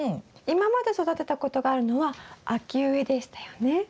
今まで育てたことがあるのは秋植えでしたよね。